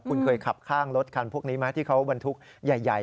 คุณเคยขับข้างรถคันพวกนี้ไหมที่เขาบรรทุกใหญ่